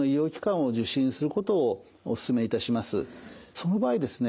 その場合ですね